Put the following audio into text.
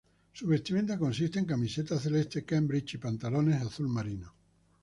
Su vestimenta consiste en camiseta celeste Cambridge y pantalones azul marino.